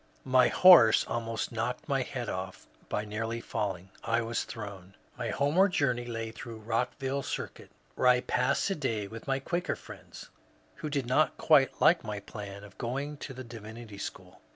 ^* My horse almost knocked my head off by nearly falling. I was thrown." My homeward journey lay through Rockville Circuit, where I passed a day with my Quaker friends, who did not quite like my plan of going to the Divinity School.